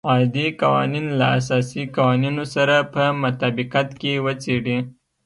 عادي قوانین له اساسي قوانینو سره په مطابقت کې وڅېړي.